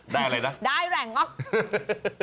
ได้อะไรนะได้แหล่งออก